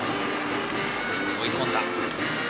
追い込んだ。